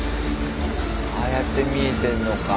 ああやって見えてんのか。